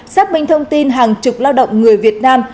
xác minh thông tin hàng chục lao động người việt nam